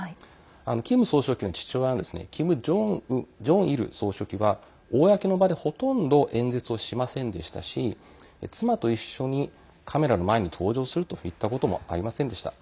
キム総書記の父親キム・ジョンイル総書記は公の場でほとんど演説をしませんでしたし妻と一緒にカメラの前に登場するといったこともありませんでした。